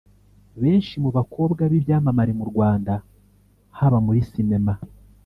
Benshi mu bakobwa b’ibyamamare mu Rwanda haba muri Sinema